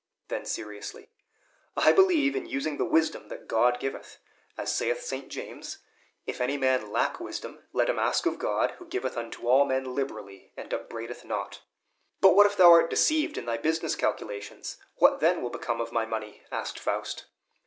Then seriously, "I believe in using the wisdom that God giveth. As saith St. James, 'If any man lack wisdom, let him ask of God, who giveth unto all men liberally, and upbraideth not.'" "But what if thou art deceived in thy business calculations? What then will become of my money?" asked Faust.